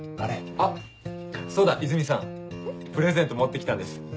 あっそうだイズミさんプレゼント持って来たんです。